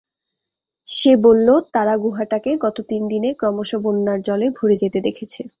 সে বলল তারা গুহাটাকে গত তিন দিনে ক্রমশ বন্যার জলে ভরে যেতে দেখেছে।